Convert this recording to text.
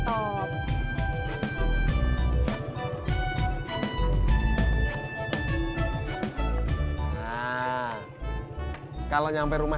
kalau nyampe rumah dengan selamat nih ya